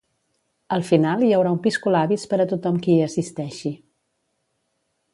Al final hi haurà un piscolabis per a tothom qui hi assisteixi.